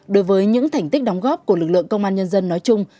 đối với những thành tích đóng góp của lực lượng công an nhân dân nói chung